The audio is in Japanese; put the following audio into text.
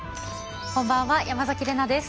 こんばんは山崎怜奈です。